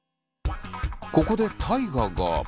ここで大我が。